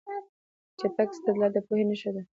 چټک استدلال د پوهې نښه ده.